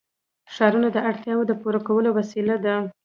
ښارونه د اړتیاوو د پوره کولو وسیله ده.